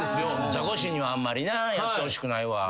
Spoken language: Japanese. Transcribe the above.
ザコシにはあんまりなやってほしくないわ。